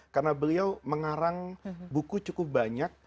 karena beliau mengarang buku cukup banyak